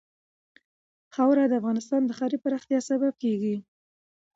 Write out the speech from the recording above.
خاوره د افغانستان د ښاري پراختیا سبب کېږي.